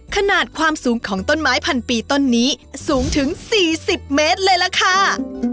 ขนาดความสูงของต้นไม้พันปีต้นนี้สูงถึง๔๐เมตรเลยล่ะค่ะ